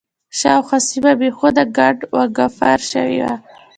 شاوخوا سیمه بېحده کنډ و کپر شوې وه.